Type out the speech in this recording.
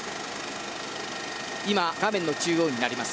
画面の中央にあります